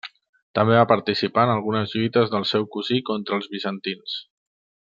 També va participar en algunes lluites del seu cosí contra els bizantins.